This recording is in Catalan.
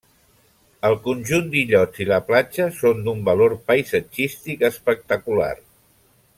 El conjunt d'illots i la platja són d'un valor paisatgístic espectacular.